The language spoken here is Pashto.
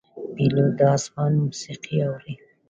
پیلوټ د آسمان موسیقي اوري.